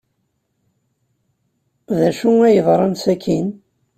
D acu ay yeḍran sakkin?